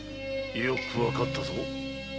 よくわかったぞ小笠原。